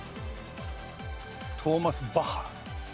トーマス・バッハ。